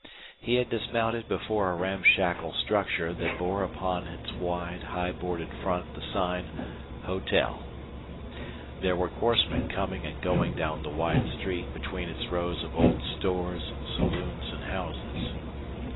He had dismounted before a ramshackle structure that bore upon its wide, high boarded front the sign, "Hotel." There were horsemen coming and going down the wide street between its rows of old stores, saloons, and houses.